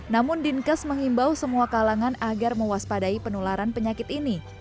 namun dinkes mengimbau semua kalangan agar mewaspadai penularan penyakit ini